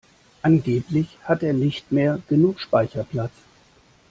Angeblich hat er nicht mehr genug Speicherplatz.